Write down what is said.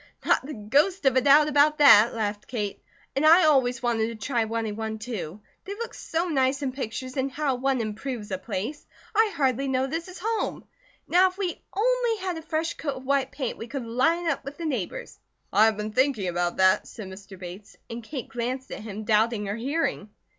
"Not the ghost of a doubt about that," laughed Kate, "and I always wanted to try running one, too. They look so nice in pictures, and how one improves a place! I hardly know this is home. Now if we only had a fresh coat of white paint we could line up with the neighbours." "I have been thinking about that," said Mr. Bates, and Kate glanced at him, doubting her hearing.